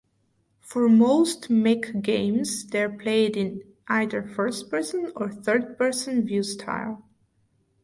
For most mech games, they are played in either first-person or third-person view style.